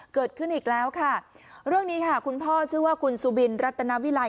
เกิดขึ้นอีกแล้วค่ะเรื่องนี้ค่ะคุณพ่อชื่อว่าคุณสุบินรัตนาวิลัย